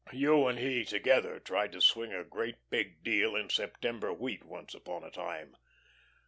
You and he together tried to swing a great big deal in September wheat once upon a time.